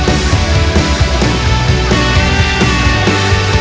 ว่าผมจะคิดว่า